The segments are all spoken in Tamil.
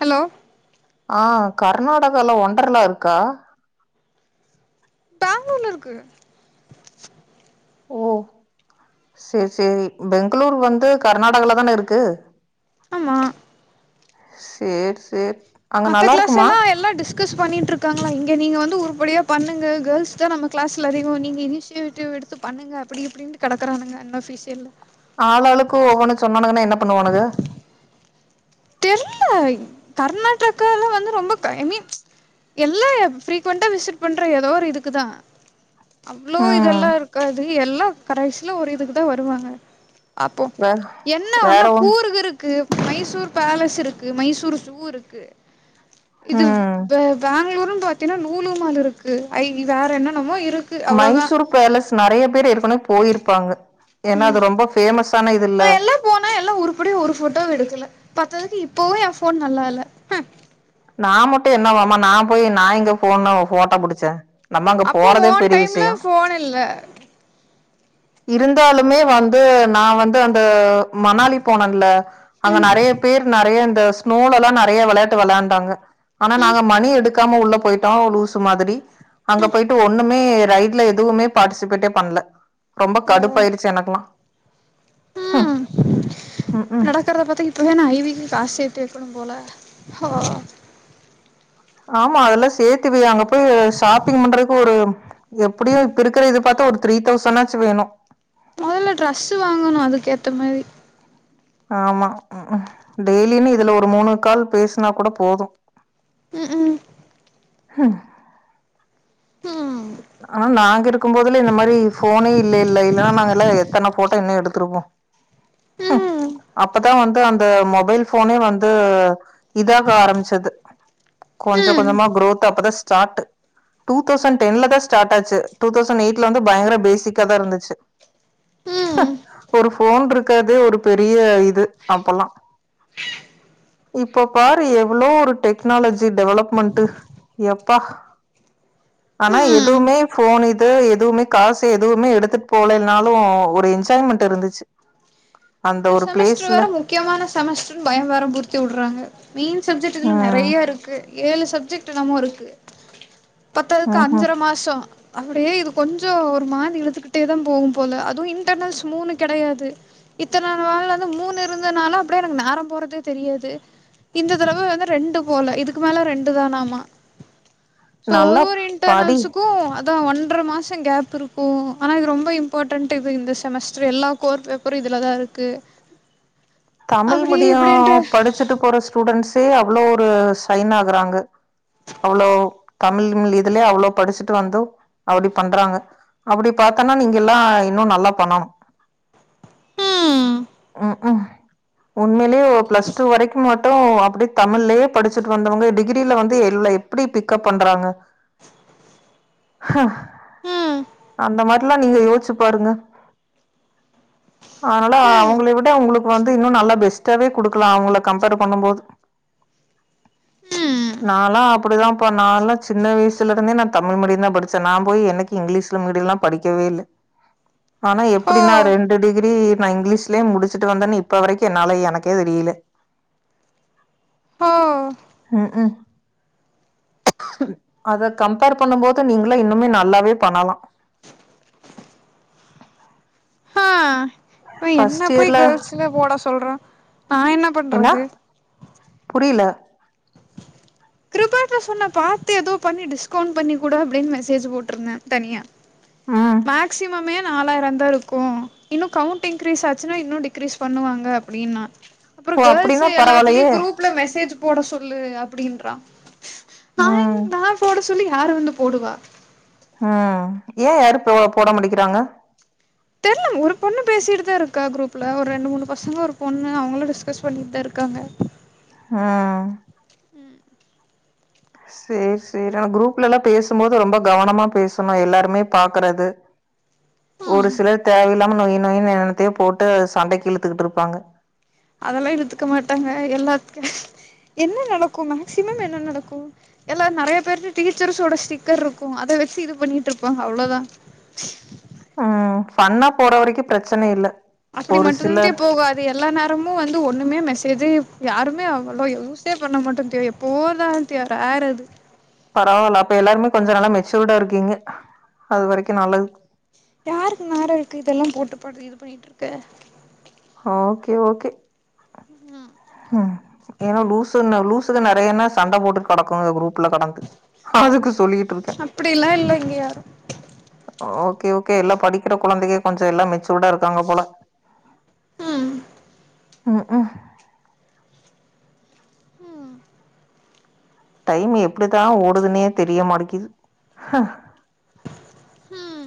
ஹலோ ஆ கர்நாடகால ஒன்றர்ல்லா இருக்கா னு இருக்கு ஓ செரி செரி பெங்களூர் வந்து கர்நாடகலதான இருக்கு ஆமா செரி செர் மத்த கிளாஸ் எல்லா எல்லா டிஸ்கஸ் பண்ணிட்டு இருக்காங்களா இன் நீங்க வந்து உறுப்படியாக பண்ணுங்க கேர்ள்ஸ் தா நம்ம கிளாஸ்ல அதிக நீங்க இனிஷியேட்டிவ் எடுத்து பண்ணுங்க அப்படி இப்படின்னு கெடக்கறானுங்க அந்தஃபிஷியல்ல ஆளாளுக்கு ஒவ்வொன்னு சொன்னானுங்கன்னா என்ன பண்ணுவானுக தெரல கர்நாடகால வந்து ரொம்ப ஐ மீன் எல்லா பிரிகுவண்டா விசிட் பண்ற ஏதோ ஒரு இதுக்குதா அவ்ளோ ம் இதெல்லா இருக்காது எல்லா கடசில ஒரு இதுக்கு தா வருவாங்க அப்போ வே என்ன வேற ஒன்னா ஒன் கூறுக இருக்கு மைசூர் பேலஸ் இருக்கு மைசூர் சூ இருக்கு இது ம் பே பேங்ளூர் [unintelligible] பாத்தீன்னா நூலு மால் இருக்கு ஐ வேற என்னன்னமோ இ மைசூர் பேலஸ் நறைய பேர் ஏரக்குனே போயிருப் ப்பாங்க ஏன்னா ம் அது ரொம்ப பேமஸான நா இதுல்ல எல்லா போனா எல்லா உருப்படியா ஒரு ஃபோட்டோவு எடுக்கல பத்தாதுக்கு இப்பவும் ஏ ஃபோன் நல்லா இல்ல ஹன் நா மட்டும் என்ன வாம நா போய் நா இங்க போன்ல போட்டோ புடிச்சே அப்போ ஓன் டைம்ல போன் இல்ல இருந்தாலுமே வந்து நான் வந்து அந்த மணாலி போனன்ல அங்க ம் நிறைய பேர் நிறைய இந்த ஸ்நோலலா நிறைய விளையாட்டு விளாண்ட் க்காங்க ஆனா ம் நாங்க மணி எடுத் எடுக்காம உள்ள போயிட்டோ லூசு மாதிரி அங்க போயிட்டு ஒண்ணு மே ரைட்ல எதுவுமே பார்டிசிபேட்டே பண்ல ரொம்ப ஓ கடுப்பாயிருச்சு எனக்கெல்லா ம் ம்ஹ்ம். நடக்கறத பாத்த இப்பவே ஐ விக்கு காசு சேத்து ப்பனும் போல ஹா ஆமா அதெல்லா சேத்து வை அங்க போய் ஷாப்பிங் பண்றக்கு ஒரு எப்டியு இப்ப இருக்கிற இத பாத்தா ஒரு த்ரீ தௌசனாச்சு வேணு மொதல்ல ட்ரெஸ் வாங்கணு அதுகேத்த மாரி ஆமா ம்ஹு டெய்லியுமே இதுல ஒரு மூணு கால் பேசினா கூட போது ம்ஹும் ஹ் ம் ஆனா நாங்க இருக்கும்போதெல்லா இந்த மாரி ஃபோனே இல்லைல்ல இல்லனா நாங்கெல்லா எத்தன போட்டோ இன்னு எடுத்திருப்போ ம் அப்பதா வந்து அந்த மொபைல் ஃபோனே வந்து இதாக ஆரம்பிச்சிது கொஞ்ச கொஞ்சமா குரோத் அப்பதா ஸ்டார்ட் டூ தெளசண் டென்லதா ஸ்டாட்டாச்சு டு தெளசண் எய்ட்ல வந்து பயங்கர பேசிக்கா தா இருந்துச்சு ம் ஒரு ஃபோன் ருக்காது ஒரு பெரிய இது அப்பலா இப்ப பாரு எவ்ளோ ஒரு டெக்னாலஜி டெவ்ளப்மன்ட்டு எப்பா ஆனா ம் ம் எதுமே ஃபோன் இது எதுமே காசு எதுமே எடுத்துட் போலைனாலு ஒரு என்ஜாய்மென்ட் இருந்துச்சு அந்த இந்த ஒரு செமஸ்ட்ரு பிளேஸ்ல வேற முக்கியமான செமஸ்ட்ருனு பயம் வேற முருத்தி உட்றாங்க மெயின் சப்ஜெட் இதுல ம் நெறையாருக்கு ஏழு சப்ஜெக்ட் என்னமோருக் [inaudible] பத்தாதக்கு ம்ஹும் அஞ்சர மாசோ அப்டே இது கொஞ்சோ ஒரு மாரி இழுத்துக்கிட்டே தா போகும் போல அது இன்ட்டனல்ஸ் மூணு கெடையாது இத்தன நாள் வரலேந்து மூணு இருந்தனால அப்டே எனக்கு நேரோ போறதே தெரியாது இந்த தரவ வந்து ரெண்டு போல இதுக்கு மேல ரெண்டு தானாமா சோ நல்லா ஒரு ஒரு படி இன்டர்னல்ஷூக்கு இதா ஒன்ற மாசோ கேப்புருக்கு ஆனா இது ரொம்ப இம்பார்ட்டன்ட்டு இது இந்த செமஸ்ட்ரு எல்லா கோர் பேப்பரு இதுல தா இரு க்கு தமிழ் மிடியோ படிச்சுட்டு போற ஸ்டூடெண்ஸே அவ்ளோ ஒரு ஷயின் ஆகுறாங்க அவ்ளோ தமிழ்க இதுலே அவ்ளோ படிச்சுட்டு வந்து அப்டி பண்றாங்க அப்டி பத்தன்னா நீங்கலா இன்னு நல்லா பண்ணணு ம் ம் ம் உண்மைலே பிளஸ் டூ வரைக்கு மட்டு அப்டி தமிழ்லயே படிச்சுட்டு வந்தவங்க டிகிரில வந்து எல்ல எப்டி பிக்கப் பண்றாங்க அ ம் அந்த மாரிலா நீங்க யோச்சு பாருங்க ஆனால ம் அவுங்கள விட உங்ளுக்கு வந் து இன்னு நல்லா பெஸ்டாவே குடுக்லா அவுகள கம்பார் பண்ணு போது ம் நால அப்டித்தாபா நாலா சின்ன வயசுல இருந்தே நா தமிழ் மீடிய தா படிச்சே நா போய் என்னக்கு இங்லீஸ்ல மீடியலா படிக்கவே இல்ல ஆனா ஹோ எப்டி நா ரெண்டு டிகிரி நா இங்கிலீஸ்லயே முடிச்சிட்டு வந்தனு இப் இப்ப வரைக்கு என்னால எனக்கே தெரியில ஹோ ம்ஹீம் அத கம்பேர் பண்ணும்போது நீங்கள இன்னுமே நல்லாவே பண்ணலா இப்ப என்ன போய் இயர்ல கேள்ஸ்ல போட சொல்ற நா என்ன பண்றது புரியல கிருபாட்ர சொன்ன பாத்து ஏதோ பண்ணி டிஸ்கவுண்ட் பண்ணி கூடு அப்டினு மெசேஜ் போட்ருந்தே தனியா ம் மேக்சிமமே நாலாயிரந்தாருக்கு இன்னு கவுண்ட் இன்கிரீஸ் ஆச்சுனா இன்னு டிக்ரீஸ் பண்ணுவாங்க அப்டின்னா அப்றோ ஓ கேல்ஸ் அப்படின்னா பரவாயில்லையே எல்லாத்துலயு குரூப்ல மெசேஜ் போட சொல்லு அப் அப்டின்றா நா எங் ம் நா போட சொல்லி யார் வந்து போடுவா? உம் ஏன் யாரு போ போட மாடிக்கிறாங்க. தெர்ல ஒரு பொண்ணு பேசிட்டு தான் இருக்கா குருப் ப்பல ஒரு ரெண்டு மூணு பசங்க ஒரு பொண்ணு அவங்களா டிஸ்கஸ் பண்ணிகிட்டு தான் இருக்காங்க. ஆஹ் சேரி சேரி நான் குரூப்லலாம் பேசும் போது ரொம்ப கவனமா பேசணும். எல்லாருமே பாக்குறது ஒரு சிலர் தேவையில்லாம நொய் நொயின்னு என்நென்னத்தையோ போட்டு சண்டைக்கு இழுத்துகிட்டு இருப்பாங்க. அதெல்லாம் இழுத்துக்க மாட்டாங்க எல்லாத்துக்கும் என்ன நடக்கும் மேக்சிமம் என்ன நடக்கும் எல்லா நிறைய பேரு டீச்சர்ஸோட ஸ்டிக்கர் இருக்கும் அத வச்சு இது பண்ணிட்டு இருப்பாங்க அவ்வளவுதான். உம் ஃபண்ணா போற வரைக்கும் பிரச்சனை இல்ல அப்படி ஒரு மட்டு்ந்தே சிலர் போகாது எல்லா நேரமும் வந்து ஒண்ணுமே மெசேஜே யாருமே அவ்லோ யூசே பண்ண மாட்டோம் தெரியும் எப்போவதான் அது ரேர் அது. பரவாயில்ல அப்ப எல்லாருமே கொஞ்ச நல்லா மெச்சூர்டா இருக்கீங்க அது வரைக்கும் நல்லது. யாருக்கு நேரம் இருக்கு இதெல்லாம் போட்டு பண்ணிட் இது பண்ணிட்டு இருக்க. ஹ ஓகே ஓகே உஹ் உஹம் ஏன்னா லூசுன்ன லூசுக நிறையன்ன சண்டை போட்டு கெ டக்கும் குருப் கடந்து அதுக்கு சொல்லிட்டு இருக்கேன் அப்டிலா இல்ல இங்க யாரு ஓக் ஓகே ஓகே எல்லாம் படிக்கிற குழந்தைங்க கொஞ்சம் எல்லாம் மெச்சூர்டா இருக்காங்க போல. ஹ்ம் உம் உஹ்ம் ஹும் டைம் எப்டித்தான் ஓடுதுனே தெரியமாட்டிக்கிது ஹன். ஹூம்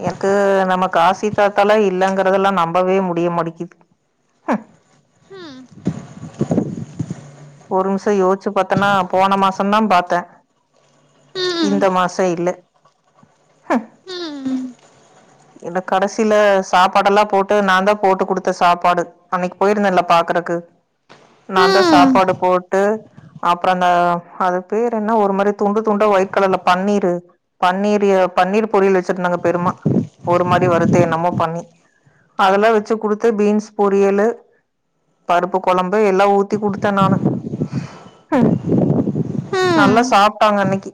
எனக்கு நம்ம காசி தாத்தாலாம் இல்லங்கறதெல்லாம் நம்பவே முடியமாடிக்குது. உம் ஒரு நிமிஷம் யோசிச்சு பாத்தன்னா போன மாசம் தான் பாத்தன் இந்த மாசம் இல்ல. இந்த கடைசியில சாப்பாடு எல்லாம் போட்டு நான் தான் போட்டு குடுத்த சாப்பாடு. அன்னைக்கு போயிருந்தன்ல பாக்குறக்கு நான் தான் சாப்பாடு போட்டு அப்புறம் அந்த அது பேரு என்ன ஒரு மாதிரி துண்டு துண்டா ஒயிட் கலர்ல பன்னீரு பன்னீரி பன்னீர் பொரியல் வச்சிருந்தாங்க பெரிமா. ஒரு மாரி வறுத்து என்னமோ பண்ணி அதெல்லாம் வச்சு குடுத்து பீன்ஸ் பொரியலு, பருப்பு குழம்பு எல்லாம் ஊத்தி குடுத்தன் நானு ம் நல்லா சாப்ட்டாங்க அன்னைக்கி.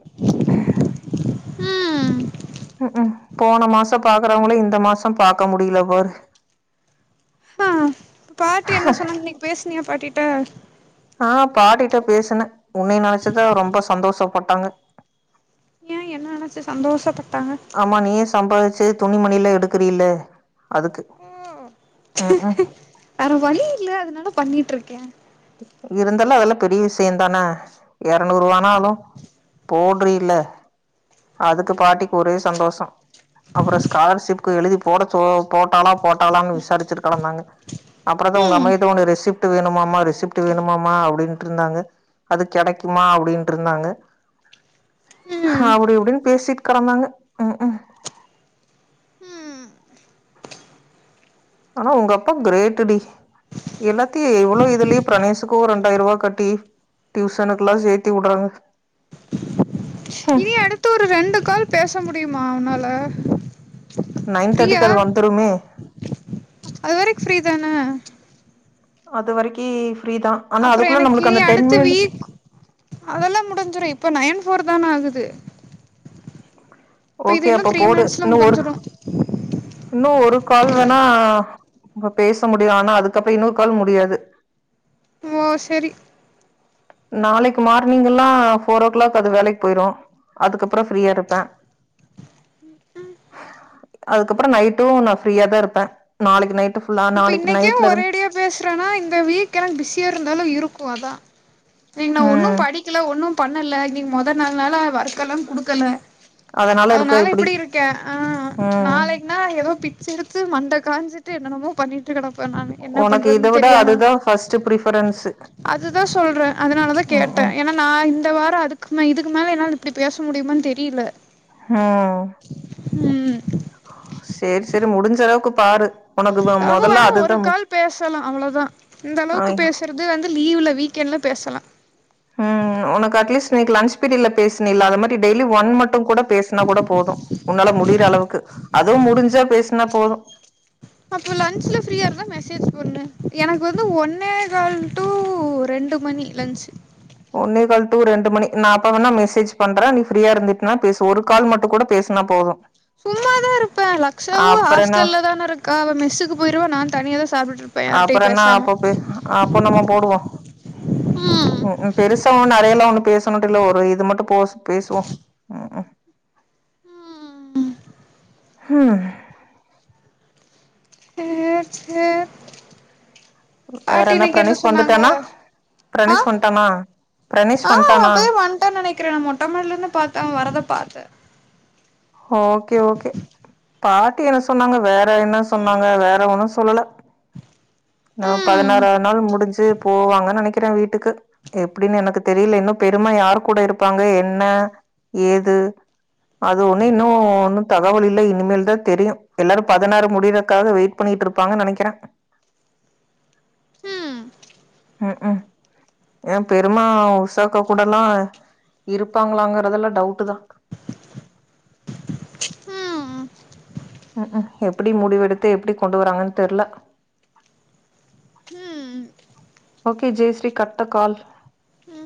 ம் உகும் போன மாசம் பாக்குறவங்கள இந்த மாசம் பாக்க முடியல பாரு பாட்டி என்ன சொன்னாங்க இன்னைக்கு பேசினியா பாட்டி ட்ட ஆஹ்ன் பாட்டிட்ட பேசுனன் உன்னைய நெனச்சிதான் ரொம்ப சந்தோஷப்பட்டாங்க. ஏன் நெனச்சு சந்தோஷப்பட்டாங்க சம்பாரிச்சு துணி மணில எடுக்கு றீல்ல அதுக்கு உகும் பண்ணிட்டுருக்கேன். இருந்தாலும் அதெல்லாம் பெரிய விஷயம் தானே இருநூறு ரூவானாலும் போட்ரியல்ல அதுக்கு பாட்டிக்கு ஒரே சந்தோஷம். அப்புறம் ஸ்காலர்ஷிப்கு எழுதி போட போட்டாலா போட்டாலான்னு விசாரிச்சிட்டுகட ந்தாங்க அப்பறந்தான் உங்க ம் அம்மாகிட்ட ஒன்ன ரெசிப்ட் வேணுமாம்மா ரெசிப்ட் வேணுமாமா அப்டின்ட்டு இருந்தாங்க அது கிடைக்குமா அப்டின்ட்டு இருந்தாங்க ம் அப்டி இப்படின்னு பேசிட்டு கடந்தாங்க உம் உம். ஆனா உங்க அப்பா கிரேட்டுடி எல்லாத்தையும் எவ்வளவு இதுலயே பிரணேசுக்கும் ரெண்டாயிரம் ரூவாய் கட்டி டியூசனுக்கெல்லாம் சேத்தி வுட்றாங்க. இனி அடுத்து ஒரு ரெண்டு கால் பேச முடியுமா? அஅஅ நைன் தேர்ட்டிக்கு அது வந்துருமோ அதுவரைக்கும் ஃப்ரீதானே அதுவரைக்கு அப்புறம் எனக்கு அடுத்த வீக் அதெல்லாம் முடிஞ்சுரும் இப்ப நைன் போர் தான் ஆகுது இரு இப்ப இது ஓகே என்னாம் அப்ப த்ரீ மினிட்ஸ்ல முடிஞ்சிரும் இன்னும் ஒரு கால் வேணா இ பேச முடியும் ஆனா அதுக்கப்புறம் இன்னொரு கால் முடியாது ஓ சரி நாளைக்கு மார்னிங்கெல்லாம் போர் ஓ கிளாக் அது வேலைக்கு போயிரும் அதுக்கப்புறம் ஃப்ரீயா இருப்பேன் அதுக்கப்புறம் நைட்டும் நான் ஃப்ரீயா தான் இருப்பேன் நாளைக்கு நைட்டு ஃபுல்லா இப்ப நாளைக்கு இன்னைக்கே நைட்ல இருந்து ஒரேடியா பேசுறேன்னா இந்தங்க வீக் எனக்கு பிஸியா இருந்தாலும் இருக்கும் அதான் இன்னைக்கு நான் ஒன்னும் ம் படிக்கல ஒன்னும் பண்ணலே இன்னைக்கு மொதல் நாள் நாள ஒர்க் எல்லாம் கொடுக்கல இருக்க அதனால இப்டி இப்படி இருக்கேன் ஆஹ் ம் நாளைக்குனா ஏதோ பிச்சு எடுத்து மண்ட காஞ்சிட்டு என்னென்னமோ பண்ணிட்டுகிடக் நான் என்ன உனக்கு பண்றது இத விட தெரியாம அதுதா ஃபர்ஸ்ட் ப்ரிஃபரன்ஸு அதுதான் சொல்றேன் அதனாலதான் ம் கேட்டேன் ம் ஏன்னா நான் இந்த வாரம் அதுக்கு இதுக்கு அதனாலே என்னாலே இப்படி பேச முடியுமானு தெரியல ஆஹ் உம் சரி சரி முடிஞ்ச அளவுக்கு பாரு உனக்கு ரம்ப மொதல்ல வேணா ஒரு அதுதா கால் பேசலாம் அவ்வளவுதான் இந்த அளவுக்கு முக்கிய பேசுறது வந்து லீவ்ல வீக்கெண்டில் பேசலாம் உம் உனக்கு அட்லீஸ்ட் நேத்து லன்ச் பீரியட்ல பேசின இல அது மாதிரி டெய்லி ஒன் மட்டும் கூட பேசினா கூட போதும் உன்னால முடி முடீற அளவுக்கு அதுவும் முடிஞ்சா பேசினா போதும் அப்ப லன்ச்ல ஃப்ரீயா இருந்தா மெசேஜ் போடுங்க எனக்கு வந்து ஒன்னே கால் டூ ரெண்டு மணி லன்ச் ஒன்னே கால் டு ரெண்டு மணி நான்அப்ப வேணா மெசேஜ் பண்றேன் நீ ஃப்ரீயா இருந்திட்டினா பேசு ஒரு கால் மட்டும் கூட பேசுனா போதும் சும்மாதான் இருப்பேன் லக்ஷாவும் என்ன ஹாஸ்டல்ல தானே இருக்கா அவ மெஸ்ஸுக்கு போயிருவா நான் தனியா தான் சாப்பிட்டு இருப்பேன் அப்றோ யாரிட்டையும் என்ன பேசாம அப்ப பே அப்போ நம்ம போடுவோ உம் ம் பெருசா ஒண்ணும் நிறையல்லாம் ஒண்ணு பேசணும் இல்ல ஒரு இது மட்டும் போ பேசுவோம் உம் ஹம் சேரி சேரி வேற பாட்டி இன்னைக்கு என்ன பிரணேஷ் சொன்னாங்க வந்துட்டானா பிரணேஷ் ஆஹ் வந்ட்டானா பிரணேஷ் ஆஹ் அவ வந்ட்டானா அப்பதே வந்துட்டான் நினைக்கிறேன் நான் மொட்டைமாடிலே இருந்து பார்த்தேன் அவன் வரத பார்த்தேன் ஓகே ஓகே பாட்டி என்ன சொன்னாங்க வேறென்ன சொன்னாங்க வேற ஒன்னூ சொல்லல நா ம் பதினாறாவ்து நாள் முடிஞ்சு போவாங்க நெனைக்கிறே வீட்டுக்கு எப்டின் எனக்கு தெரில இன்னூ பெரிமா யார் கூட இருப்பாங்க என்ன ஏது அ து ஒன்னூ இன்னூ ஒன்னூ தகவல் இல்ல இனிமேல் தா தெரியூ எல்லாரூ பதினாறு முடிக்றக்காக வெயிட் பண்ணிட்ருப்பாங்க நெனைக்கிறே ம் ம் ம் ஏ பெரிமா உஷாக்கா கூடல்லா இருப்பாங்ளாங்றதெல்லா டவுட்டு தான் ம் ம் ம் எப்டி முடிவெடுத்து எப்டி கொண்டு வராங்கன்னு தெர்ல ம் okay Jaishree cut the call ம்